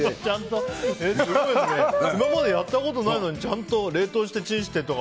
今までやったことないのに冷凍して、チンしてとか。